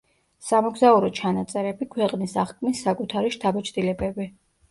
სამოგზაურო ჩანაწერები, ქვეყნის აღქმის საკუთარი შთაბეჭდილებები.